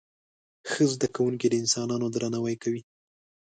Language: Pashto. ښه زده کوونکي د انسانانو درناوی کوي.